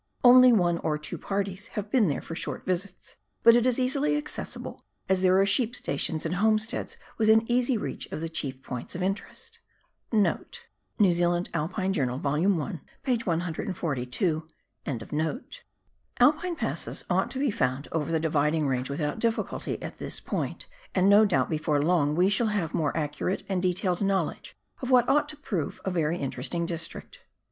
Only one or two parties have been there for short visits,* but it is easily accessible, as there are sheep stations and home steads within easy reach of the chief points of interest. Alpine passes ought to be found over the Dividing Range without difficulty at this point, and no doubt before long we shall have more accurate and detailed knowledge of what ought to prove a very interesting district.